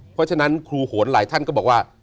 เพราะฉะนั้นครูโหนหลายท่านก็บอกว่า